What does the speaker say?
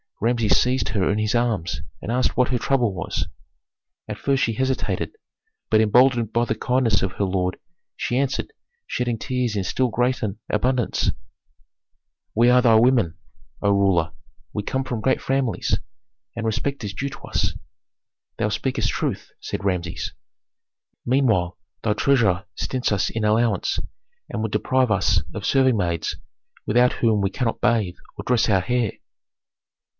Rameses seized her in his arms, and asked what her trouble was. At first she hesitated, but emboldened by the kindness of her lord, she answered, shedding tears in still greater abundance, "We are thy women, O ruler, we come from great families, and respect is due to us." "Thou speakest truth," said Rameses. "Meanwhile thy treasurer stints us in allowance, and would deprive us of serving maids, without whom we cannot bathe or dress our hair."